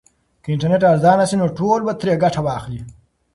که انټرنیټ ارزانه سي نو ټول به ترې ګټه واخلي.